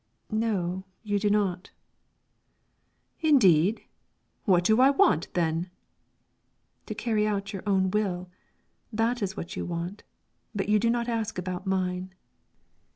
"No, you do not." "Indeed? What do I want, then?" "To carry out your own will, that is what you want; but you do not ask about mine."